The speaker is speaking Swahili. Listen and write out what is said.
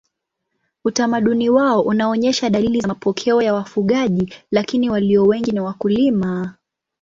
Utamaduni wao unaonyesha dalili za mapokeo ya wafugaji lakini walio wengi ni wakulima.